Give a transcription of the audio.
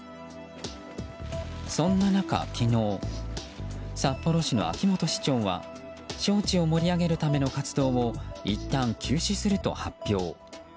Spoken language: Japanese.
そんな中、昨日札幌市の秋元市長は招致を盛り上げるための活動をいったん、休止すると発表。